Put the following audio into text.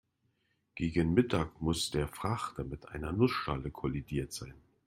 Gegen Mittag muss der Frachter mit einer Nussschale kollidiert sein.